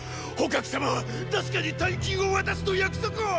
蒲様は確かに大金を渡すと約束をっ！